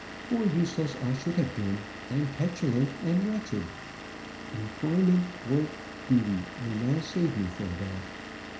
For useless I should have been, and petulant, and wretched. Employment, work, duty, will now save me from that.